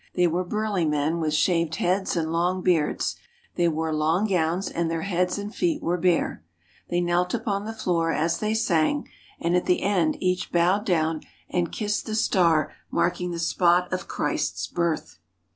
They were burly men with shaved heads and long beards. They wore long gowns and their heads and feet were bare. They knelt upon the floor as they sang, and at the end each bowed down and kissed the star marking the spot of Christ's birth.